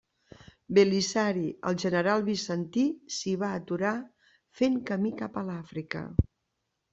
Belisari, el general bizantí, s'hi va aturar fent camí cap a l'Àfrica.